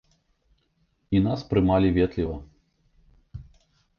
І нас прымалі ветліва.